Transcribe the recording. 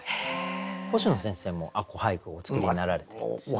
星野先生も吾子俳句をお作りになられてるんですよね？